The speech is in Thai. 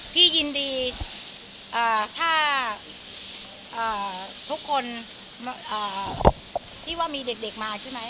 พี่ยินดีเอ่อถ้าเอ่อทุกคนเอ่อที่ว่ามีเด็กเด็กมาใช่ไหม